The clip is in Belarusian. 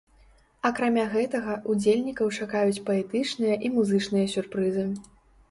Акрамя гэтага, удзельнікаў чакаюць паэтычныя і музычныя сюрпрызы.